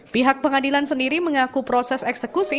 pihak pengadilan sendiri mengaku proses eksekusi